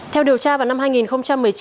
theo điều tra vào năm hai nghìn một mươi chín